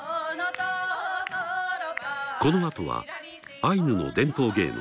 このあとはアイヌの伝統芸能